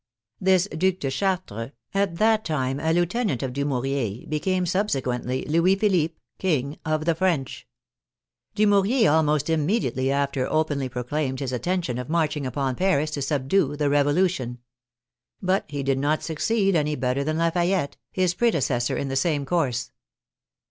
This Due de Chartres, at that time a lieutenant of Dumouriez, became subsequently " Louis Philippe, King of the French." Dumouriez al most immediately after openly proclaimed his intention of marching upon Paris to subdue the Revolution. But he did not succeed any better than Lafayette, his prede cessor in the same course.